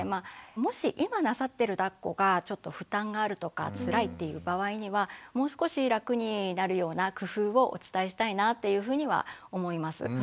もし今なさってるだっこがちょっと負担があるとかつらいっていう場合にはもう少し楽になるような工夫をお伝えしたいなというふうには思います。